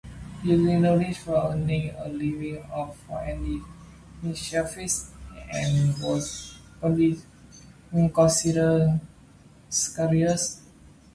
Using knowledge for earning a living or for any selfish end was considered sacrilegious.